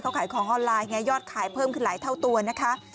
เขาขายของออนไลน์ไงยอดขายเพิ่มขึ้นหลายเท่าตัวนะคะ